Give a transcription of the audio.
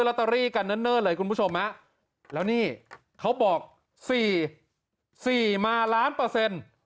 ลอตเตอรี่กันเนิ่นเลยคุณผู้ชมฮะแล้วนี่เขาบอกสี่สี่มาล้านเปอร์เซ็นต์